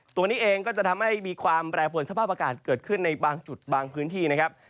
ตัวนี้เองก็จะทำให้มีความแปรผลสภาพอากาศเกิดขึ้นในบางจุดบางพื้นที่นะครับ